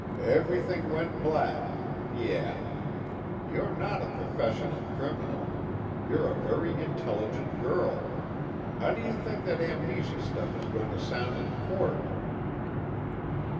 Everything went black yeah. You're not a professional criminal, you're a very intelligent girl. How do you think that amnesia stuff is going to sound in court?